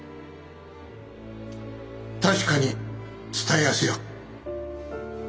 確かに伝えやすよ。